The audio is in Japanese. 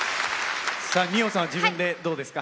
さあ二葉さんは自分でどうですか？